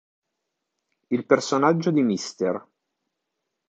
Il personaggio di "Mr.